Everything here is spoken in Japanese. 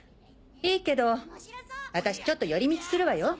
いいけど私ちょっと寄り道するわよ。